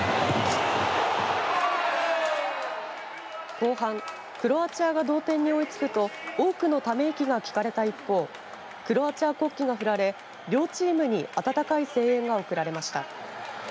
後半クロアチアが同点に追いつくくと多くのため息が聞かれた一方クロアチア国旗が振られ両チームに温かい声援が送られました。